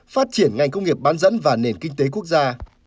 phát triển ngành công nghiệp bán dẫn và nền kinh tế quốc gia